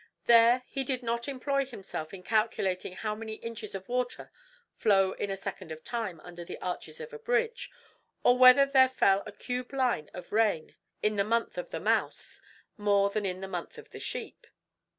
There he did not employ himself in calculating how many inches of water flow in a second of time under the arches of a bridge, or whether there fell a cube line of rain in the month of the Mouse more than in the month of the Sheep.